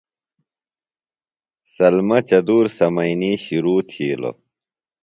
سلمئی چدُور سمئنی شرو تھِیلوۡ۔